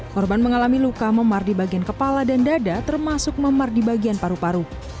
korban mengalami luka memar di bagian kepala dan dada termasuk memar di bagian paru paru